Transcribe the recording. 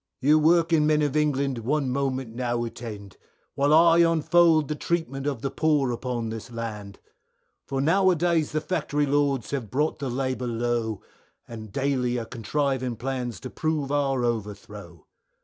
You working men of England one moment now attend, While I unfold the treatment of the poor upon this land, For now a days the Factory Lords have brought the labour low, And daily are contriving plans to prove our overthrow.